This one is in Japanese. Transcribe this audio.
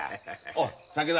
おう酒だ。